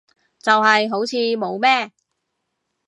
就係好似冇咩